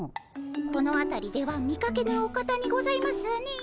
このあたりでは見かけぬお方にございますねえ。